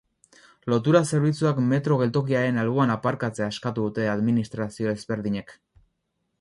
Lotura-zerbitzuak metro geltokiaren alboan aparkatzea eskatu dute administrazio ezberdinek.